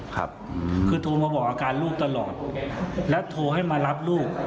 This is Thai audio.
ครับคือโทรมาบอกอาการลูกตลอดแล้วโทรให้มารับลูก